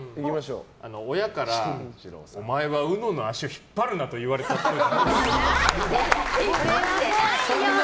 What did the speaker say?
親からお前はうのの足を引っ張るなと言われたっぽい。